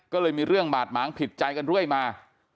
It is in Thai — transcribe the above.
ก็เลยมีเรื่องบาดหมางผิดใจกันเรื่อยมา